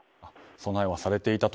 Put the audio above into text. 備えはされていたと。